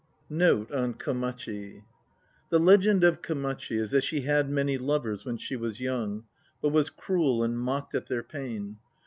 NOTE ON KOMACHI. THE legend of Komachi is that she had many lovers when she was young, but was cruel and mocked at their pain.